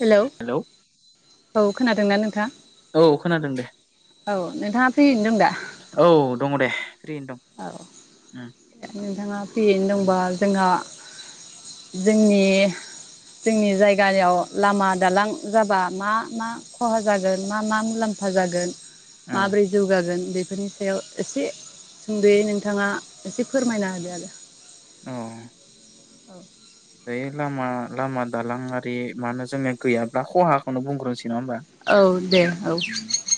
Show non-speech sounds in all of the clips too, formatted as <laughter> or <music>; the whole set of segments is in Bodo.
हेलौ औ खोनादोंना नों- थां औ खोनादों दे औ नोंथाङा फ्रियैनो दं दा औ दङ दे फ्रियैनो दं औ नोंथाङा फ्रियैनो उम दंबा जोंहा जोंनि जोंनि जायगायाव लामा दालां जाबा मा मा खहा जागोन मा मा मुलाम्फा जागोन औ माब्रै जौगागोन बे- फोरनि सायाव एसे सुंदयै नोंथाङा एसे फोरमायना होदो आरो औ औ बे लामा लामा दालांआरि मानो जोंनिया गैयाब्ला खहाखौनो बुंग्रोसै नङा होमबा औ दे औ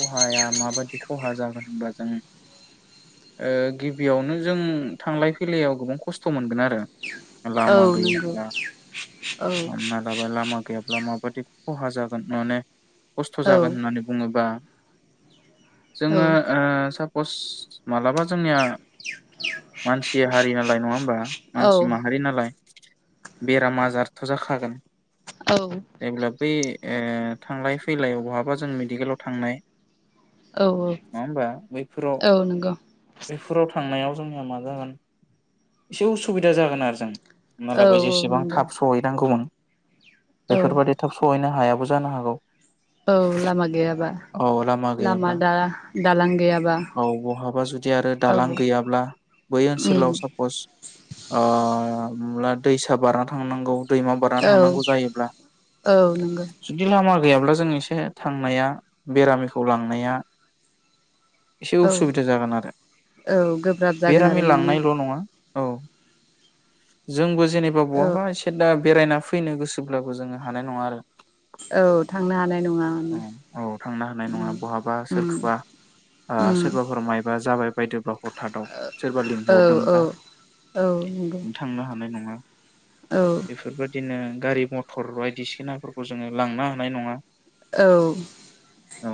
खहाया माबायदि खहा जाग होनबा जों ओ गिबियावनो जों थांलाय फैलायाव गोबां खस्थ' मोनगोन आरो औ लामा नंगौ गैयाब्ला औ हमना लाबाय लामा गैयाब्ला माबादि खहा जागोन माने खस्थ' जागोन होननानै बुङोबा जोङो ओ सब खस मालाबा जोंनिया मानसि हारि नालाय नङा होमबा मानसि माहारि नालाय बेराम आ जारथ' जाखागोन एब्ला बे ए थांलाय- फैलाय बहाबा जों मेडिकेलाव थांनाय औ -औ- नङा होमबा बैफोराव औ नंगौ बेफोराव थांनायाव जोंनिया मा जागोन एसे उसुबिदा जागोन आरो जों औ मालाबा औ जेसेबां नंगौ थाब सहैनांगौमोन औ बेफोरबायादि थाब सहैना हायाबो जानो हागौ औ लामा गैयाबा औ लामा गैयाब्ला दालां गैयाबा औ बहाबा जुदि आरो औ दालां गैयाब्ला बै उम ओनसोलाव सापस होब्ला दैसा बारना थांनांगौ दैमा बारना औ थांनांगौ जायोब्ला औ नंगौ जुदि लामा गैयाब्ला जों एसे थांनाया बेरामिखौ लांनाया एसे औ उसुबिदा जागोन आरो औ गोब्राब जागोन बेरामि आरो माने लांनायल' नङा औ जोंबो जेनेबा औ बहाबा एसे दा बेरायना फैनो गोसोब्लाबो जोङो हानाय नङा आरो औ थांनो हानाय नङा माने औ -औ थांनो हानाय नङा उम बहाबा उम सोरखौबा उम सोरबाफोर मायबा जाबाय बायदिब्ला हद औ औ औ नंगौ मोननाय नङा। औ बेफोरबायदिनो गारि मथर बायदिसिनाफोरखौ जोङो लांनो हानाय नङा। औ औ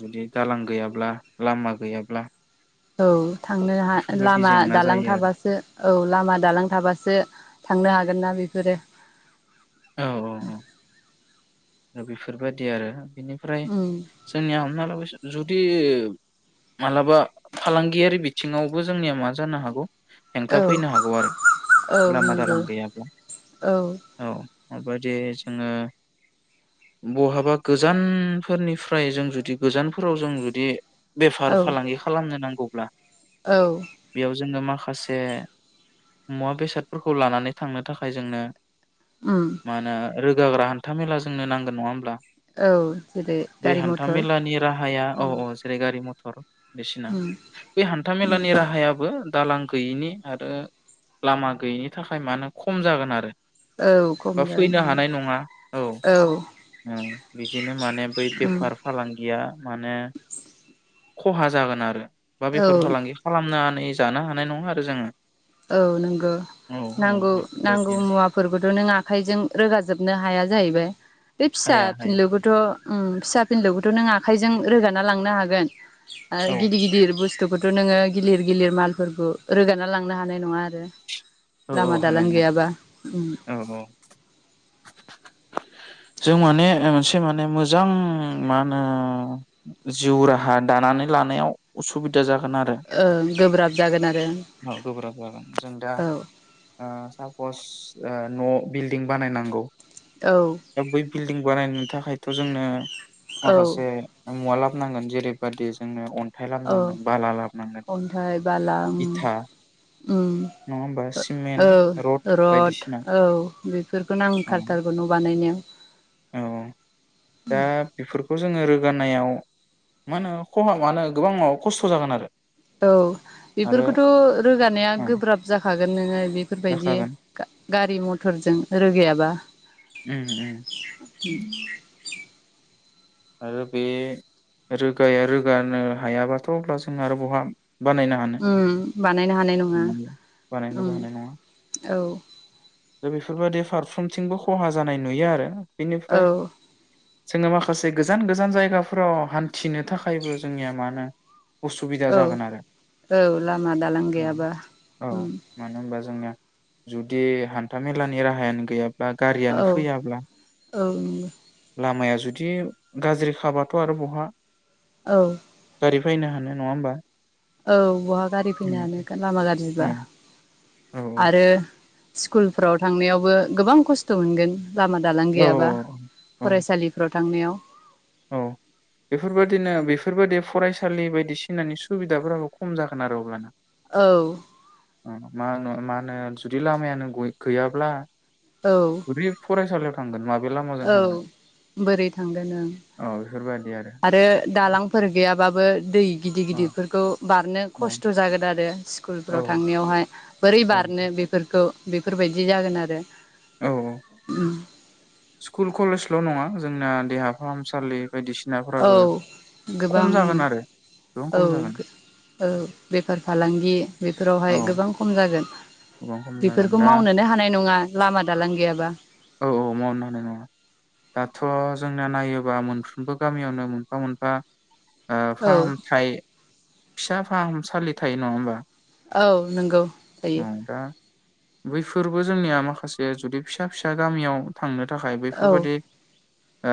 जुदि दालां गैयाब्ला लामा गैयाब्ला औ थांनो हा बेफोरबायदि लामा जेंना दालां जायो आरो थाबासो औ लामा दालां थाबासो <unintelligible> थांनो हागोन ना बेफोरो ओम दा बेफोरबायदि आरो। बेनिफ्राय उम जोंनिया हमना लाबोसो जुदि मालाबा फालांगियारि बिथिङावबो जोंनिया मा जानो हागौ। हेंथा औ फैनो हागौ आरो औ लामा दालां नंगौ गैयाब्ला औ औ। माबायदि जोङो बहाबा गोजानफोरनिफ्राय जों जुदि गोजानफोराव जों जुदि औ बेफार फालांगि खालामनो नां खपला औ जोङो माखासे मुवा बेसादफोरखौ लानानै थांनो थाखाय जोंनो उम मानो रोगाग्रा हान्था मेला जोंनो नांगोन नङा होमब्ला औ जेरै बै गारि हान्था मथर मेलानि राहाया औ उम औ जेरै गारि मथर सर बिसिना उम बे उम हान्थाामेलानि राहायाबो दालां गैयिनि आरो लामा गैयिनि थाखाय मानो खम जागोन आरो औ खम जायो औ ओम बिदिनो माने बै उम बेफार फालांगिया माने खहा जागोन आरो बा औ बेफोर फालांगि खालामना जानो हानाय नङा आरो जोङो। औ नोंगौ औ औ नांगौ नांगौ बेफोरबायदि आरो मुवाफोरखौथ' नों आखाइजों रोगाजोबनो हाया जाहैबाय। बे फिसा हाया हाया फिनलुखौथ' औ फिसा फिनलौखौथ' नों आखाइजों रोगाना लांनो हागोन। आरो औ गिदिर गिदिर बुस्थ बुथुखौथ' नोङो गिलिर गिलिर मालफोरखौ रोगाना लां नो हानाय नङा आरो औ अ दालां हानाय नङा गैयाबा उम औ अ जों माने ओ एसे माने मोजां मा होनो जिउ राहा दानानै लानायाव उसुबिदा जा ओ गोब्राब जागोन आरो औ गोब्राब जागोन जों दा औ ओ सापस ओ न' बिल्डिं बानायनांगौ। औ दा बै बिल्डिं बानायनो थाखायथ' जोंनो औ माखासे ओ मुवालाब नांगोन जेरैबादि जोंनो अन औ अन्थाइ बाला उम इथा उम नङा होमबा सिमेन्ट ओ औ रड बायदिसिना औ बेफोरखो औ नांखाथारगौ न' बानायनो औ अ दा बेफोरखौ जोङो रोख गाननायाव मा होनो खहा मानो गोबां औ खस्थ' जागोन आरो औ आरो बेफोरखौथ' रोगानाया औ गोब्राब जाखा गोन नोङो बेफोरबायदि जाखागोन गा गारि मथरजों रोगायाबा उम आरो बे रोगाया रोगानो हायाबाथ' अब्ला जों आरो बहा बानायनो उम बानायनो हानाय नङा हानो बानायनोबो उम हानाय नङा औ दा बेफोरबादि फारफ्रोमथिंबो खहा जानाय नुयो आरो औ बिनिफ्राय जोङो माखासे गोजान गोजान जायगाफोराव हान्थिनो थाखायबो जोंनिया मानो उसुबिदा औ जागोन आरो औ लामा दालां गैयाबा अ औ उम मानो होनबा जोंनिया जुदि हान था मेलानि राहायानो गैयाब बा औ गारियानो फैयाब्ला औ नंगौ लामाया ज जुदि गाज्रि खाबाथ' आरो बहा औ बै फैनो हानो नङा होमबा? औ बहा गारि फैनो हानो गा लामा गारजिबा औ औ आरो स्कुलफ्राव थांनायावबो गोबां खस्थ' मोनगोन। लामा दालां औ गैयाबा औ फरायसालिफ्राव थांनायाव औ बेफोरबादिनो बेफोरबादि फरायसालि बायदिसिनानि सुबिदाफोराबो खम जागोन आरो अब्लाना। औ। ओ मा होन मा होनो जुदि लामायानो गय गैयाब्ला औ जुदि फरायसालि थांगोन। लामाजों औ थांनो बोरै थांगोन ओं। औ बेफोरबायदि आरो दालांफोर गैयाब्ला बाबो दै गिदिर औ गिदिरफोरखौ बारनो औ खस्थ' जागोन आरो औ स्कुलफ्राव थांनायावहाय बोरै औ बारनो बेफोरखौ बेफोरबायदि जागोन आरो। औ औ उम स्कुल कलेजल' नङा जोंना देहा फाहामसालि बायदिसिनाफोराबो औ खम गोबां जागोन आरो गोबां औ खम जागोन औ बेफार फालांगि औ बेफोरावहाय गोबां खम जागोन गोबां खम जागोन बेफोरखौ दा मावनोनो हानाय नङा। लामा दालां गैयाबा। औ औ मावनो हानाय नङा दाथ' जोंनाया नायोबा मोनफ्रोमबो गामियावनो मोनफा मोनफा औ फाहामथायाइ फिसा फाहामसालि थायो नङा होमबा? औ नंगौ औ दायो। दा बैफोरबो जोंनिया माखासे जुदि फिसा फिसा गामियाव थांनो थाखाय औ बैफोरबायदि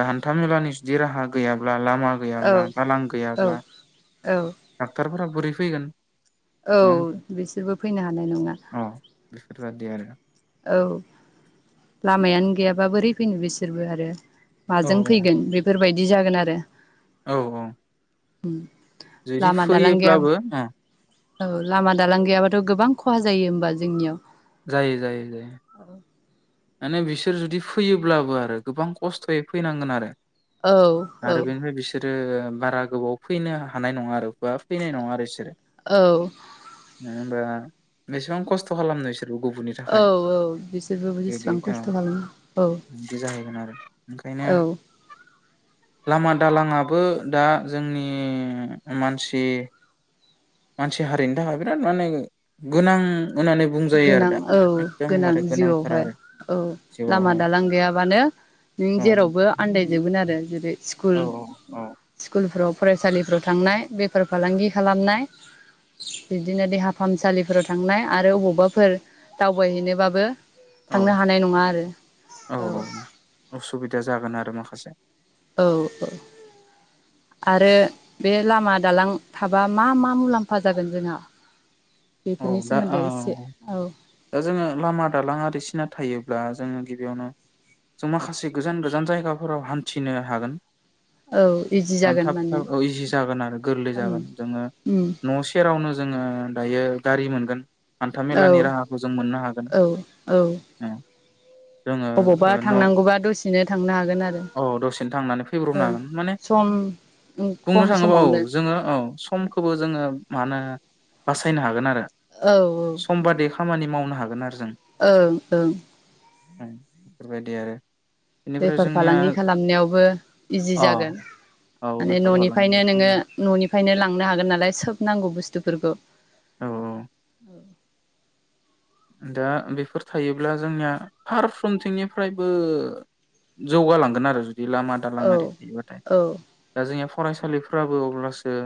हान्था मेलानि जुदि राहा गैयाब्ला लामा औ गैयाबा दालां औ गैयाबा औ डाक्टर फोराबो बोरै फैगोन औ नङा होमबा बिसोरबो फैनो हानाय नङा। बेदि आरो ना? औ। लामायानो गैयाबा बोरै फैनो बिसोरबो आरो। औ माजों फैगोन बेफोरबायदि बिदि जागोन आरो। औ औ। उम। जुदि फैयोब्लाबो ओ औ लामा दालां गैयाबाथ' गोबां खहा जायो होमबा जोंनियाव जायो जायो जायो। माने बिसोर जुदि फैयोब्लाबो आरो गोबां खस्थ'यै फैनांगोन आरो औ औ बिदि बारा गोबाव फैनो हानाय नङा आरो बा फैनाय नङा आरो बिसोरो औ <inaudible> होनबा बेसेबां खस्थ' खालामनो बिसोरबो गुबुननि औ थाखाय औ बिसोरबो <inaudible> औ बिदि खालामो औ बिदि जाहैगोन आरो ओंखायनो औ लामा दालाांआबो दा जोंनि मानसि मानसि हारिनि थाखाय बिराद माने गोनां होननानै बुंजायो आरो गोनां दा औ गोनां एकदमबारे गोनांथार जिउआवहाय आरो औ लामा जिउआव दालां गैयाबानो नों औ जेरावबो आन्दायजोबगोन आरो जेरै स्कुल औ औ स्कुलफ्राव फरायसालिफोराव थांनाय बेफार फालांगि खालामनाय बिदिनो देहा फाहामसालिफोराव थांनाय आरो अबाव अबावबाफोर दावबायहैनोबाबो औ थांनो हानाय नङा आरो औ उसुबिदा <unintelligible> औ औ आरो बे लामा दालां थाबा मा मा मुलाम्फा जागोन जोंहा औ बेफोरनि दा सोमोन्दै औ एसे औ दा जोङो लामा दालां आदिसिना थायोब्ला जोङो गिबियावनो जों माखासे गोजान गोजान जायगाफोराव हान्थिनो हागोन औ इजि जागोन थाब माने थाब इजि जागोन आरो गोरलै उम जागोन जोङो उम न' सेरावनो जोङो दायो गारि मोनगोन हान्था औ मेलानि राहा मोननो हागोन औ औ जोङो अबावबा न' थांनांगौबा दसेनो थांनो हागोन आरो औ दसेनो थांनानै फैब्रबनो ओं हागोन माने सम बुंनो खम थाङोबा औ समावनो जोङो औ समखौबो जोङो मा होनो बासायनो हागोन आरो औ औ सम बादि <inaudible> खामानि मावनो हागोन आरो जों ओं ओं बेफोरबायदि आरो बेनिफ्राय बेफार जोंनिया फालांगि खालामनायावबो इजि अ जागोन औ माने बेफार न'निफायनो फालांगिबो औ नोङो न'निफ्रायनो लांनो हागोन नालाय सोब नांगौ फोरखौ औ दा बेफोर थायोब्ला जोंनिया फारफ्रोमथिंनिफ्रायबो जौगालांगोन आरो बिदि लामा दालां औ आरि थायोबाथाय औ दा जोंनिया फरायसालिफ्राबो अब्लासो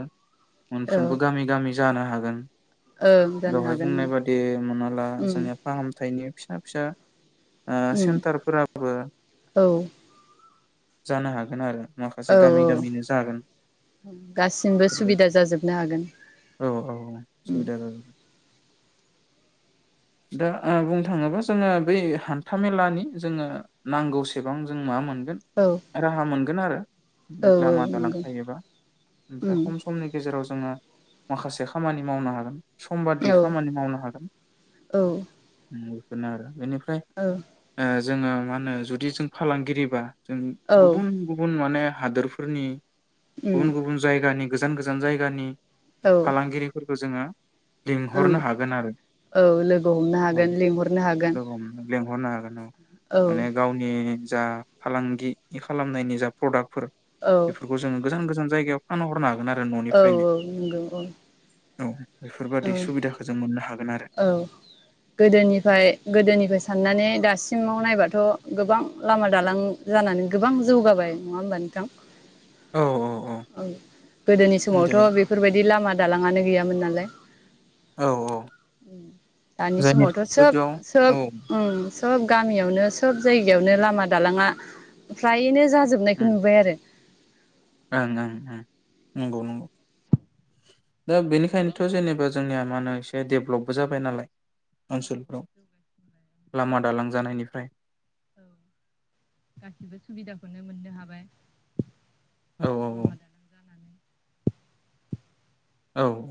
औ मोनफ्रोमबो गामि गामि जानो हागोन ओं जानो दहाय हागोन बुंनाय बादि मोनाला ओं उम जोंनाआ फाहामथाय बिनि फिसा फिसा उम सेन्टारफोराबो औ जानो हागोन आरो औ माखासे गामि गामिनो जागोन गासिमबो सुबिदा जाजोबनो हागोन औ औ-औ उम सुबिदा जाबाय दा बुंनो थाङोबा जोङो बै हान्थाामेलानि जोङो नांगौसेबां जों मा मोनगोन औ राहा मोनगोन आरो औ लामा-दालां नंगौ थायोबा ओमफ्राय उम खम समनि गेजेराव जोङो माखासे खामानि मावनो हागोन औ समबादि खामानि मावनो हागोन औ आरो बेनिफ्राय औ फ्राय ओ जोङो मा होनो जुदि जों फालांगिरिबा जों औ गुबुन-गुबुन माने हादोरफोरनि उम गुबन-गुबुन जायगानि गोजान-गोजान जायगानि औ फालांगिरिफोरखौ खौ जोङो ओं लिंहरनो हागोन आरो औ लोगो हमनो हागोन लिंहरनो हागोन लिंहरनो हागोन औ औ माने गावनि जा फालांगि खालामनायनि जा प्रडाक्ट फोर औ बेफोरखौ जों गोजान-गोजान जायगायाव फानहरनो हागोन आरो न'निफ्रायनो औ-औ नंगौ औ औ औ बेफोरबादि सुबिदाखौ जों मोननो हागोन आरो औ गोदोनिफ्राय गोदोनिफ्राय साननानै दासिमाव नायबाथ' गोबां लामा दालां जानानै गोबां जौगाबाय नङा होमबा नोंथां? औ औ औ गोदोनि जाय समावथ' बेफोरबायदि लामा दालाङानो गैयामोन गैयामोन नालाय औ औ दानि जायनि समावथ' सोब गोजौआव औ सोब ओं सब गामियावनो सब जायगायावनो लामा दालाङा फ्रायनो जाजोब जोबनायखौ ओं नुबाय आरो। ओं नंगौ नंगौ दा बेनिखायनोथ' जेनेबा जोंनिया मा होनो एसे डेभलपबो जाबाय नालाय औ ओनसोलफ्राव जौगाय लामा दालां जानायनिफ्राय औ गासिबो सुबिदाखौनो मोननो हाबाय। औ औ लामा औ दालां जानानै औ औ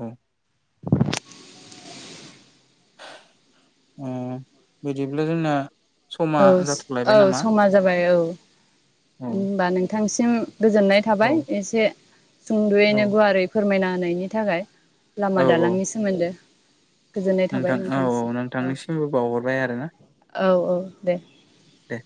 <inaudible> उम बिदिब्ला जोंना समा औस जाथ'लायबाय औ नामा समा जाबाय औ औ होनबा नोंथां निसिम गोजोननाय थाबाय औ एसे औ सुंद'यैनो गुवारै फोरमायना नायनि थाखाय औ लामा दालांनि सोमोन्दो गोजोननाय थाबाय नोंथां औ नोंथांनिसिम औ नोंथांनिसिमबो बावहरबाय आरोना। औ औ दे दे